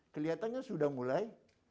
kelihatannya sudah mulai